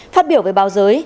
phát biểu về báo giới